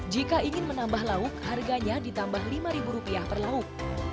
jika ingin menambah lauk harganya ditambah rp lima per lauk